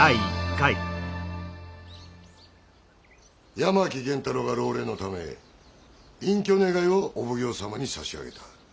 八巻元太郎が老齢のため隠居願いをお奉行様に差し上げた。